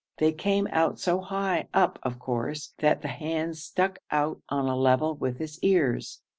They came out so high up of course, that the hands stuck out on a level with his ears.